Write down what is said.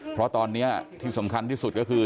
เพราะตอนนี้ที่สำคัญที่สุดก็คือ